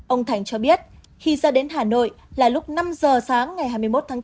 ông thành cho biết khi ra đến hà nội là lúc năm giờ sáng ngày hai mươi một tháng bốn